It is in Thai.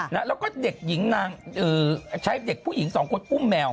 แล้วก็เด็กหญิงนางใช้เด็กผู้หญิงสองคนอุ้มแมว